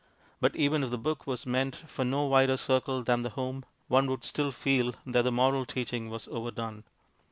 But even if the book was meant for no wider circle than the home, one would still feel that the moral teaching was overdone.